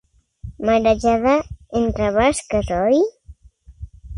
Marejada, entre basques, oi?